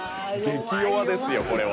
激弱ですよこれは。